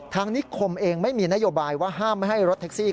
นิคมเองไม่มีนโยบายว่าห้ามไม่ให้รถแท็กซี่